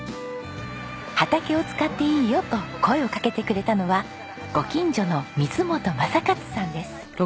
「畑を使っていいよ」と声をかけてくれたのはご近所の水元正勝さんです。